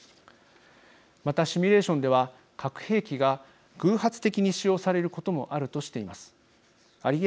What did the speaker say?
また、シミュレーションでは核兵器が偶発的に使用されることもあるとしています。